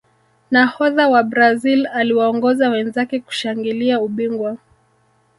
nahodha wa brazil aliwaongoza wenzake kushangilia ubingwa